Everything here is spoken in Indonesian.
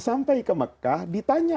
sampai ke mekah ditanya